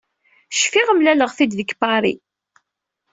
Cfiɣ mlalelɣ-t-id deg Paris.